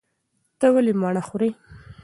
ته ولې مڼه خورې؟